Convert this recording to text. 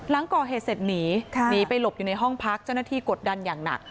หลังก่อเหตุเสร็จหนีหนีไปหลบอยู่ในห้องพักเจ้าหน้าที่กดดันอย่างหนัก